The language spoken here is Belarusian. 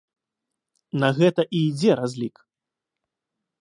На гэта і ідзе разлік.